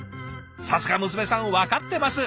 さすが娘さん分かってます。